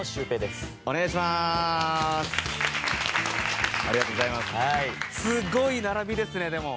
すごい並びですねでも。